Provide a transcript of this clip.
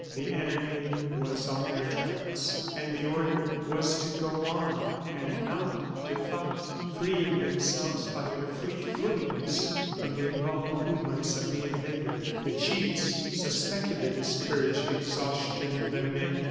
The enemy was on their tracks, and the order was to go on and not to fight, freeing themselves by their fleet footedness from the involved movements of the invader. The chiefs suspected the discouraged exhaustion of their men.